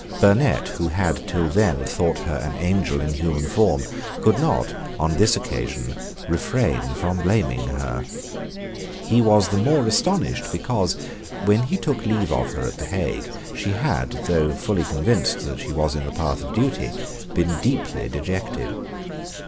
Burnet, who had, till then, thought her an angel in human form, could not, on this occasion, refrain from blaming her. He was the more astonished because, when he took leave of her at the Hague, she had, though fully convinced that she was in the path of duty, been deeply dejected.